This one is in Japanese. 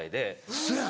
ウソやん。